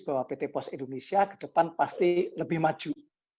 bahwa pt pos indonesia ke depan pasti lebih maju